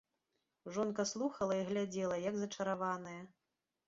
Жонка слухала і глядзела, як зачараваная.